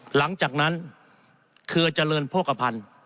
หลังจากนั้นเคลือเจริญโภคกระพันธ์